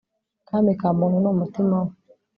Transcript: kami ka muntu k'umuntu ni umutima we